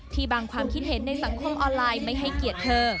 บางความคิดเห็นในสังคมออนไลน์ไม่ให้เกียรติเธอ